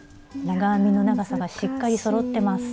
長編みの長さがしっかりそろってます。